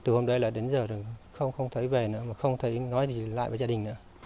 từ hôm nay đến giờ không thấy về nữa không thấy nói gì lại với gia đình nữa